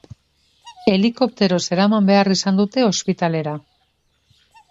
Helikopteroz eraman behar izan dute ospitalera.